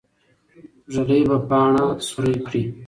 ږلۍ به پاڼه سوری کړي.